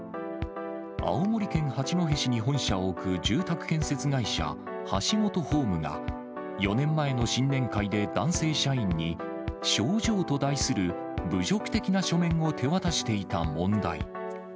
青森県八戸市に本社を置く住宅建設会社、ハシモトホームが、４年前の新年会で、男性社員に、症状と題する侮辱的な書面を手渡していた問題。